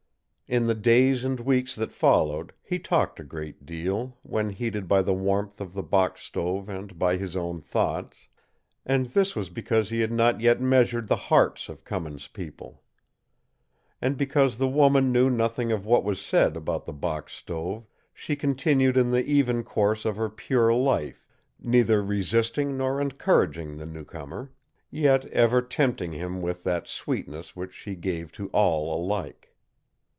In the days and weeks that followed, he talked a great deal, when heated by the warmth of the box stove and by his own thoughts; and this was because he had not yet measured the hearts of Cummins' people. And because the woman knew nothing of what was said about the box stove, she continued in the even course of her pure life, neither resisting nor encouraging the new comer, yet ever tempting him with that sweetness which she gave to all alike.